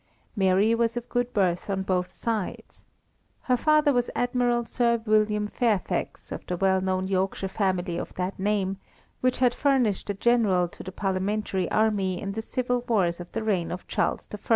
Mary was of good birth on both sides. Her father was Admiral Sir William Fairfax, of the well known Yorkshire family of that name, which had furnished a General to the Parliamentary army in the civil wars of the reign of Charles I.